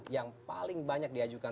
yang paling banyak diajukan